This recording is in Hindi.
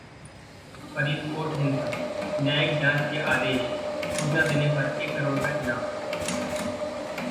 फरीदकोट हिंसा: न्यायिक जांच के आदेश, सूचना देने पर एक करोड़ का इनाम